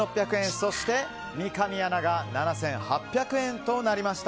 そして三上アナが７８００円となりました。